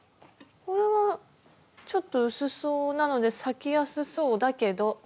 これはちょっと薄そうなので裂きやすそうだけど。